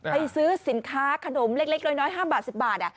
ซื้อสินค้าขนมเล็กน้อย๕บาท๑๐บาท